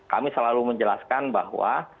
kami selalu menjelaskan bahwa